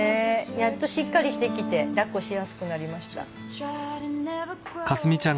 やっとしっかりしてきて抱っこしやすくなりました。